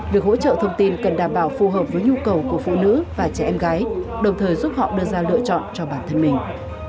việc hỗ trợ thông tin cần đảm bảo phù hợp với nhu cầu của phụ nữ và trẻ em gái đồng thời giúp họ đưa ra lựa chọn cho bản thân mình